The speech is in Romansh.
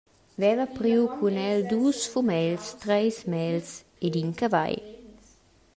Veva priu cun el dus fumegls, treis méls ed in cavagl.